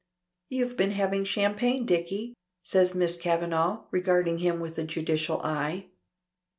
"You've been having champagne, Dicky," says Miss Kavanagh, regarding him with a judicial eye.